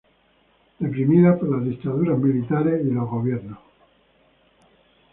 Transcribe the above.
Reprimida por las dictaduras militares y los gobiernos.